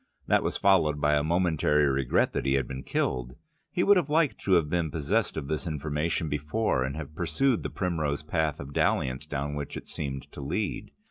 That was followed by a momentary regret that he had been killed: he would have liked to have been possessed of this information before, and have pursued the primrose path of dalliance down which it seemed to lead.